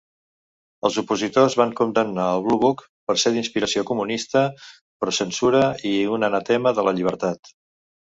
Els opositors van condemnar el Blue Book per ser d'inspiració comunista, pro-censura i un anatema de la llibertat.